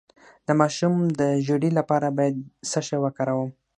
د ماشوم د ژیړي لپاره باید څه شی وکاروم؟